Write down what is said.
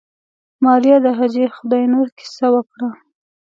ماريا د حاجي خداينور کيسه وکړه.